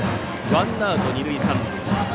ワンアウト二塁三塁。